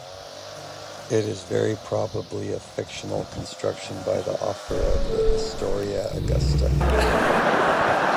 It is very probably a fictional construction by the author of the "Historia Augusta".